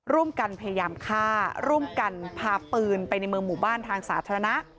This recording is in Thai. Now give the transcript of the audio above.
ร่วมกันพยายามฆ่าร่วมกันพาปืนไปในเมืองหมู่บ้านทางสาธารณะ